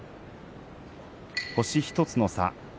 星１つの差